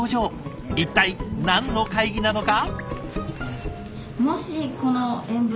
一体何の会議なのか？